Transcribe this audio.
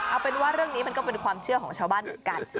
เอาเป็นว่าเรื่องนี้มันก็เป็นความเชื่อของชาวบ้านเหมือนกัน